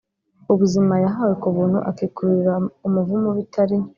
ubuzima yahawe ku buntu ; akikururira umuvumo bitari